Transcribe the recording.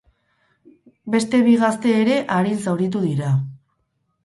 Beste bi gazte ere arin zauritu dira.